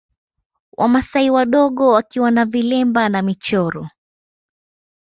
Wamasai wadogo wakiwa na vilemba na michoro